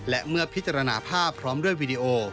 และเมื่อพิจารณาภาพพร้อมด้วยวีดีโอ